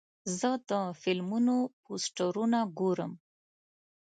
زه د فلمونو پوسټرونه ګورم.